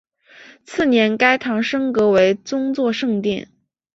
次年该堂升格为宗座圣殿。